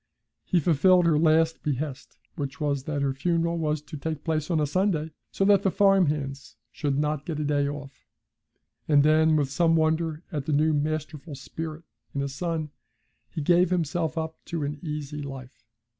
He fulfilled her last behest, which was that her funeral was to take place on a Sunday, so that the farm hands should not get a day off; and then, with some wonder at the new masterful spirit in his son, he gave himself up to an easy life.